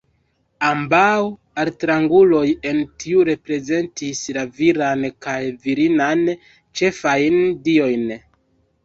Ambaŭ altranguloj en tio reprezentis la viran kaj virinan ĉefajn diojn.